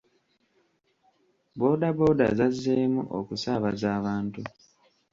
Booda booda zazzeemu okusaabaza abantu.